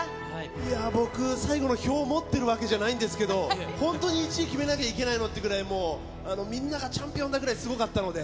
いやー、僕、最後の票を持っているわけじゃないんですけど、本当に１位決めなきゃいけないのってぐらい、もう、みんながチャンピオンだくらい、すごかったので。